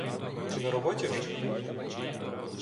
Ти на роботі вже?